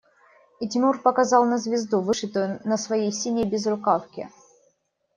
И Тимур показал на звезду, вышитую на своей синей безрукавке.